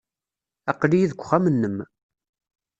Aql-iyi deg uxxam-nnem.